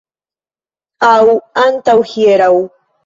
Aŭ antaŭhieraŭ.